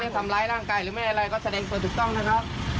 ไม่ได้ทำร้ายร่างกายหรือไม่ได้ร้ายก็แสดงกลัวถูกต้องนะคะ